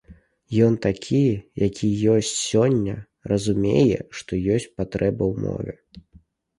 Ён такі, які ён ёсць сёння, разумее, што ёсць патрэба ў мове.